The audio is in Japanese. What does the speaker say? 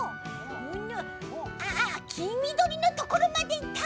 きみどりのところまでいった！